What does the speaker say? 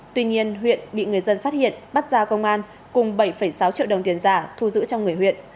tuy nhiên huyện bị người dân phát hiện bắt ra công an cùng bảy sáu triệu đồng tiền giả thu giữ trong người huyện